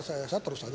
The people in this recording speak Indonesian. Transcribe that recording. saya terus aja